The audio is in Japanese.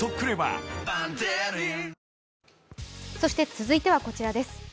続いてはこちらです。